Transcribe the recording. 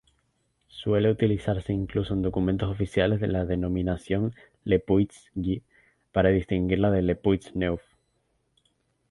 Suele utilizarse incluso en documentos oficiales la denominación Lepuix-Gy, para distinguirla de Lepuix-Neuf.